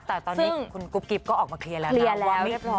แต่ตอนนี้คุณกุ๊บกิ๊บก็ออกมาเคลียร์แล้วนะ